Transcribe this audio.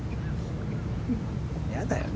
嫌だよね